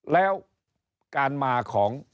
แล้วการมาของ